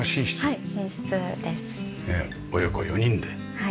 はい。